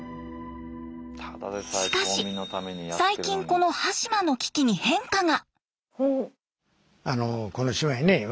しかし最近この端島の危機に変化が。